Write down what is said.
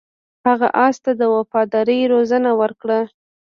هغه اس ته د وفادارۍ روزنه ورکړه.